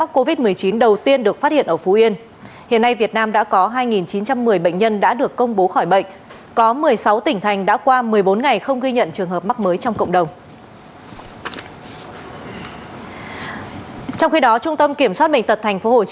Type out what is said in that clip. xin chào các bạn